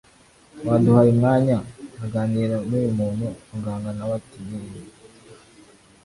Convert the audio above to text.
waduhaye umwanya, nkaganira nuyu muntu! muganga nawe atieeeeh